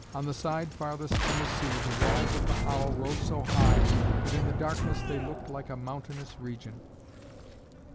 On the side farthest from the sea the walls of the hollow rose so high that in the darkness they looked like a mountainous region.